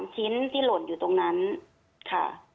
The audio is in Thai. ชิ้นที่หล่นอยู่ตรงนั้นค่ะ